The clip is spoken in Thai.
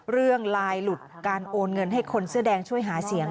ลายหลุดการโอนเงินให้คนเสื้อแดงช่วยหาเสียง